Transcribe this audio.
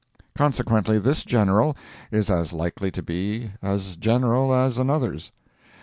Consequently this general is as likely to be as general as another's.